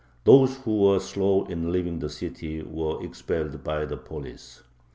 Those who were slow in leaving the city were expelled by the police.